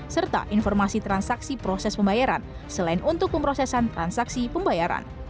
serta informasi transaksi proses pembayaran selain untuk pemprosesan transaksi pembayaran